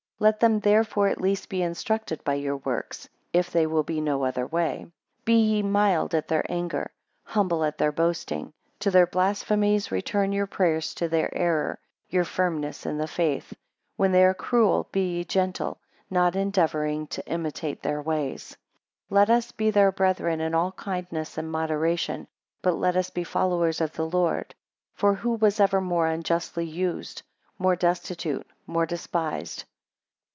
Let them therefore at least be instructed by your works, if they will be no other way. 2 Be ye mild at their anger; humble at their boasting; to their blasphemies return your prayers to their error, your firmness in the faith; when they are cruel, be ye gentle; not endeavouring to imitate their ways. (3 Let us be their brethren in all kindness and moderation, but let us be followers of the Lord; for who was ever more unjustly used? More destitute? More despised?).